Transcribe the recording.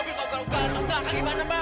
naik mobil kau geleung geleung